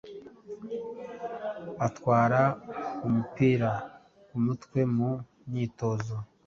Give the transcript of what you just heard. atwara umupira ku mutwe mu myitozo